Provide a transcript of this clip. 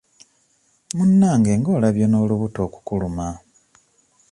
Munnange ng'olabye n'olubuto okukuluma.